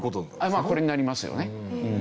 まあこれになりますよね。